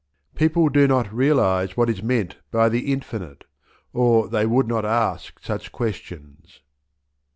People do not realize what is meant by "the infinite," or they would not ask such questions.